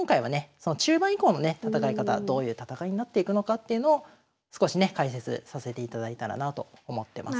その中盤以降のね戦い方どういう戦いになっていくのかっていうのを少しね解説させていただいたらなと思ってます。